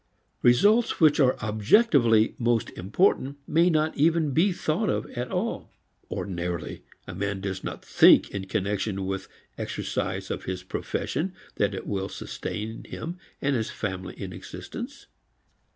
Results which are objectively most important may not even be thought of at all; ordinarily a man does not think in connection with exercise of his profession that it will sustain him and his family in existence.